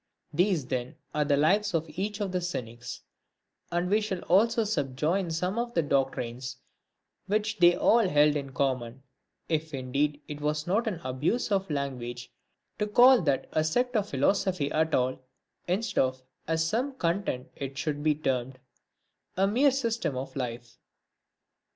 III. These then are the lives of each of the Cynics ; and we shall also subjoin some of the doctrines which they all held in common, if indeed it is not an abuse of language to call that a sect of philosophy at all, instead of, as some contend it should be termed, a mere system of life.